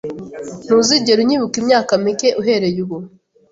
Ntuzigera unyibuka imyaka mike uhereye ubu.